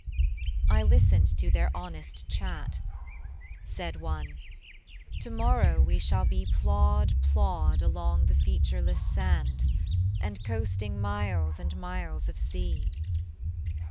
I listened to their honest chat: Said one: "To morrow we shall be Plod plod along the featureless sands, And coasting miles and miles of sea."